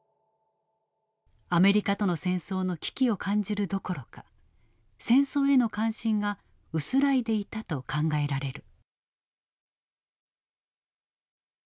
アメリカとの戦争の危機を感じるどころか戦争への関心が薄らいでいたと考えられる。